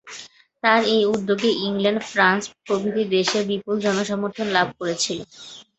তার এই উদ্যোগে ইংল্যান্ড ফ্রান্স প্রভৃতি দেশে বিপুল জনসমর্থন লাভ করেছিল।